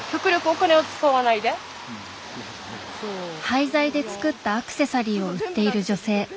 廃材で作ったアクセサリーを売っている女性。